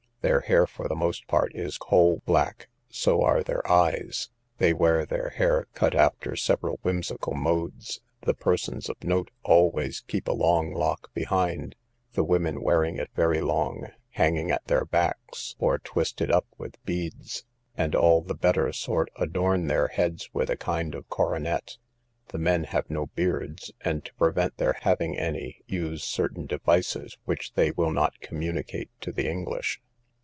Their hair, for the most part, is coal black; so are their eyes; they wear their hair cut after several whimsical modes, the persons of note always keep a long lock behind; the women wearing it very long, hanging at their backs, or twisted up with beads; and all the better sort adorn their heads with a kind of coronet. The men have no beards, and, to prevent their having any, use certain devices, which they will not communicate to the English.